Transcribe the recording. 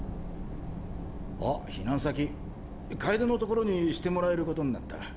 あ避難先楓のところにしてもらえることになった。